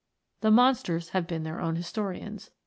The monsters have been their own historians.